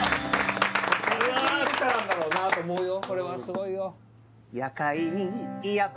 いい歌なんだろうなと思うよ